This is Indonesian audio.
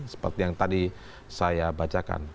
seperti yang tadi saya bacakan